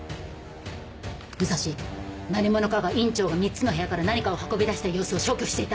武蔵何者かが院長が３つの部屋から何かを運び出した様子を消去していた！